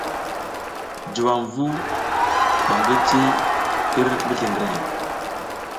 Juwam vu ɓa ngi ci tir mizliŋgreŋ.